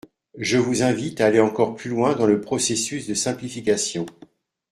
Je vous invite à aller encore plus loin dans le processus de simplification.